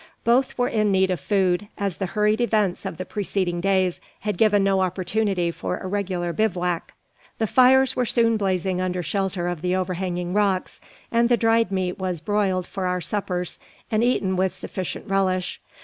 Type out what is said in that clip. Both were in need of food, as the hurried events of the preceding days had given no opportunity for a regular bivouac. The fires were soon blazing under shelter of the overhanging rocks; and the dried meat was broiled for our suppers, and eaten with sufficient relish.